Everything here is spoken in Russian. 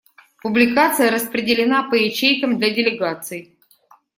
Публикация распределена по ячейкам для делегаций.